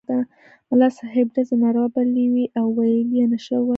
ملا صاحب ډزې ناروا بللې وې او ویل یې نشره ووایاست.